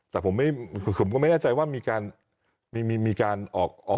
แต่ผมก็ไม่แน่ใจว่ามีการออกไปได้ยังภาพนี้